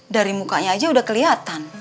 dari mukanya aja udah kelihatan